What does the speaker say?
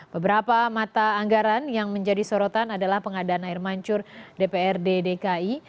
beberapa mata anggaran yang menjadi sorotan adalah pengadaan air mancur dprd dki